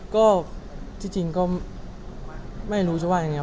ก็ที่จริงก็ไม่รู้จะว่ายังไง